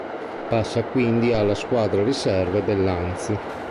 Passa quindi alla squadra riserve dell'Anži.